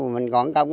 mình còn công